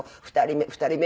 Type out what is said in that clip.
２人目。